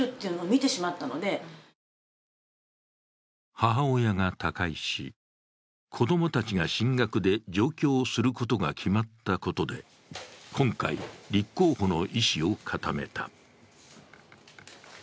母親が他界し子供たちが進学で上京することがきまったことで今回、立候補の意思を固めた。